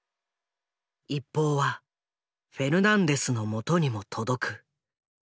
一報はフェルナンデスのもとにも届く。